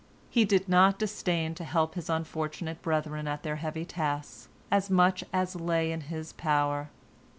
He did not disdain to help his unfortunate brethren at their heavy tasks as much as lay in his power.